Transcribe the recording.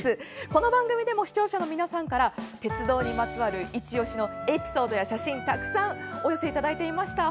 この番組でも視聴者の皆さんから鉄道にまつわるいちオシのエピソードや写真お寄せいただいていました。